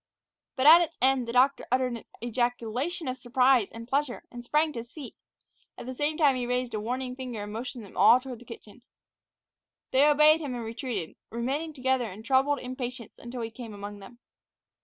But at its end the doctor uttered an ejaculation of surprise and pleasure, and sprang to his feet. At the same time he raised a warning finger and motioned all toward the kitchen. They obeyed him and retreated, remaining together in troubled impatience until he came among them.